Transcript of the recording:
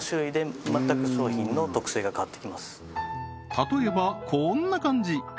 例えばこんな感じ